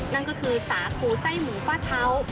นั่นก็คือสาคูไส้หมูฟาดเท้า